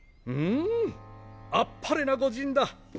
うんあっぱれな御仁だ。